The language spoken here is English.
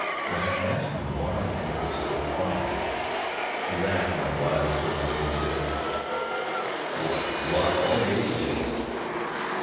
When I asked him why he was so quiet, he laughed in a wild sort of way and said: "What rot all this is!"